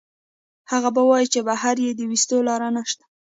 هغه به وائي چې بهر ئې د ويستو لار نشته